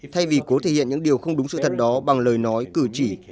thay vì cố thể hiện những điều không đúng sự thật đó bằng lời nói cử chỉ